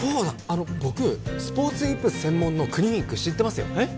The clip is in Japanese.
あの僕スポーツイップス専門のクリニック知ってますよえっ？